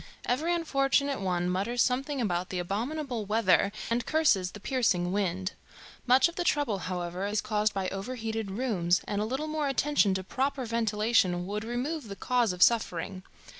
Every unfortunate one mutters something about the abominable weather and curses the piercing wind. Much of the trouble, however, is caused by overheated rooms, and a little more attention to proper ventilation would remove the cause of suffering.